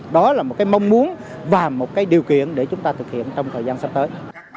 đó là một mong muốn và một điều kiện để chúng ta thực hiện trong thời gian sắp tới